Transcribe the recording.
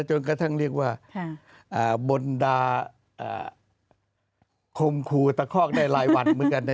จนกระทั่งเรียกว่าบนดาคมครูตะคอกได้รายวันเหมือนกัน